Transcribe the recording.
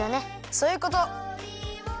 そういうこと。